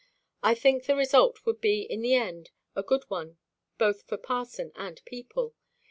I think the result would be in the end a good one both for parson and people.